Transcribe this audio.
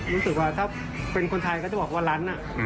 รู้สึกว่าถ้าเป็นคนไทยก็จะบอกว่าล้าน